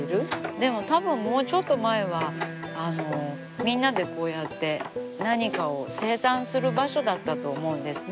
でもたぶんもうちょっと前はみんなでこうやって何かを生産する場所だったと思うんですね。